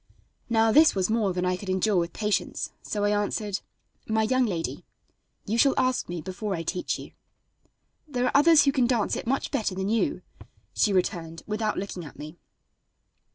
Now this was more than I could endure with patience, so I answered: "My young lady, you shall ask me before I teach you." "There are others who can dance it much better than you," she returned, without looking at me.